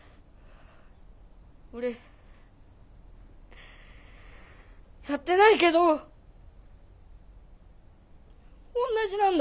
俺やってないけどおんなじなんだ。